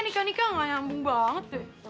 nikah nikah nggak nyambung banget deh